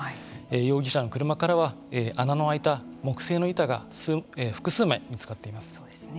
容疑者の車からは穴の開いた木製の板が複数枚見つかっています。